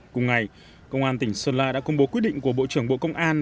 cùng ngày công an tỉnh sơn la đã công bố quyết định của bộ trưởng bộ công an